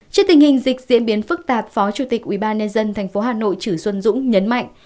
trước tình hình dịch diễn biến phức tạp phó chủ tịch ubnd tp hà nội chử xuân dũng nhấn mạnh